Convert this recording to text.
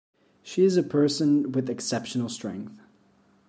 She is a person with exceptional strength.